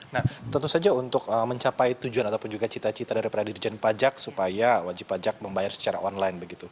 nah tentu saja untuk mencapai tujuan ataupun juga cita cita dari peradirjen pajak supaya wajib pajak membayar secara online begitu